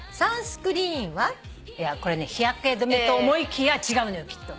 これね日焼け止めと思いきや違うのよきっと。